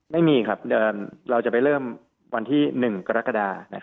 ไม่มีครับเราจะไปเริ่มวันที่๑กรกฎา